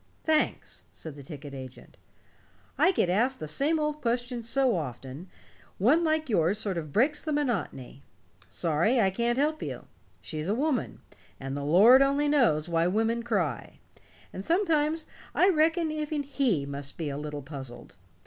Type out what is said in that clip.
"Thanks," said the ticket agent. "I get asked the same old questions so often, one like yours sort of breaks the monotony. Sorry I can't help you. She's a woman, and the Lord only knows why women cry. And sometimes I reckon even He must be a little puzzled.